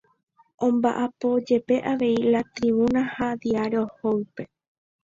Ombaʼapo jepe avei La Tribuna ha Diario Hoype.